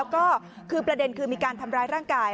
ก็คือประเด็นคือมีการทำร้ายร่างกาย